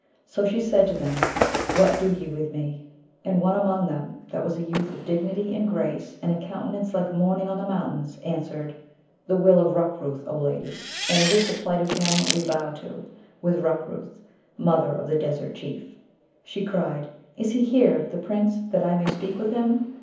So she said to them, 'What do ye with me?' And one among them, that was a youth of dignity and grace, and a countenance like morning on the mountains, answered, 'The will of Rukrooth, O lady! and it is the plight of him we bow to with Rukrooth, mother of the Desert Chief.' She cried, 'Is he here, the Prince, that I may speak with him?'